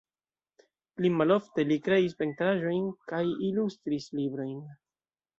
Pli malofte li kreis pentraĵojn kaj ilustris librojn.